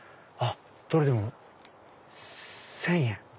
どれでも１０００円。